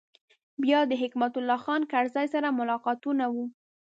بیا د حکمت الله خان کرزي سره ملاقاتونه و.